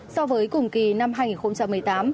so với cùng kỳ năm hai nghìn một mươi tám